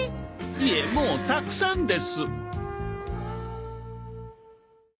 いえもうたくさんです。